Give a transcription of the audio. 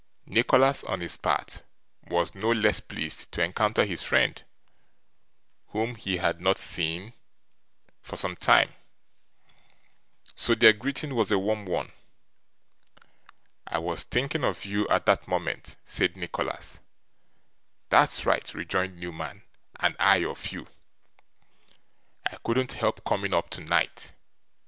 Nicholas, on his part, was no less pleased to encounter his friend, whom he had not seen for some time; so, their greeting was a warm one. 'I was thinking of you, at that moment,' said Nicholas. 'That's right,' rejoined Newman, 'and I of you. I couldn't help coming up, tonight.